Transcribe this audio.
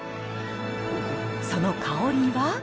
その香りは。